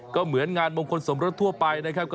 ก็เหมือนงานมงคลสมรสทั่วไปนะครับ